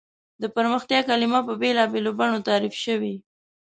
د پرمختیا کلیمه په بېلابېلو بڼو تعریف شوې.